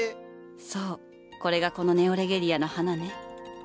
そうこれがこのネオレゲリアの花ね。